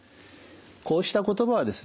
こうした言葉はですね